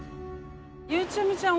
ゆうちゃみちゃん